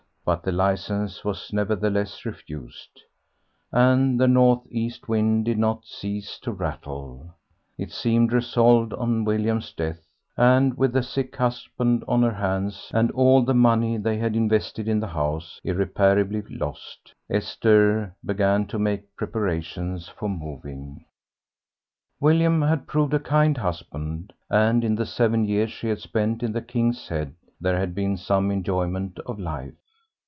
But the licence was nevertheless refused, and the north east wind did not cease to rattle; it seemed resolved on William's death, and with a sick husband on her hands, and all the money they had invested in the house irreparably lost, Esther began to make preparations for moving. William had proved a kind husband, and in the seven years she had spent in the "King's Head" there had been some enjoyment of life.